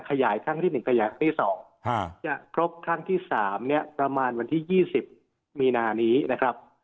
ขยายขั้นที่๑ขยายขั้นที่๒จะครบขั้นที่๓ประมาณวันที่๒๐มีนานี้นะครับ